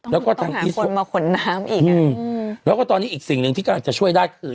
แล้วก็ทางมีคนมาขนน้ำอีกอ่ะอืมแล้วก็ตอนนี้อีกสิ่งหนึ่งที่กำลังจะช่วยได้คือ